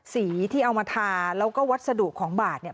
สีที่เอามาทาแล้วก็วัสดุของบาทเนี่ย